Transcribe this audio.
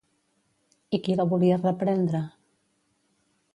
I qui la volia reprendre?